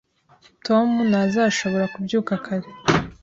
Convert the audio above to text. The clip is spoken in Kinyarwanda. Tom ntazashobora kubyuka kare.